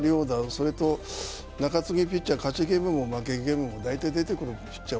それと中継ぎピッチャー、勝ちゲームも負けゲームも大体出てくるピッチャー